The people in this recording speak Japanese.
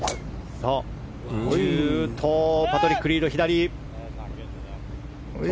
パトリック・リード、左。